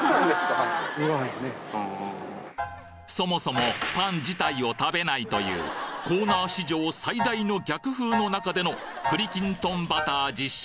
そもそもパン自体を食べないというコーナー史上最大の逆風の中での栗きんとんバター実食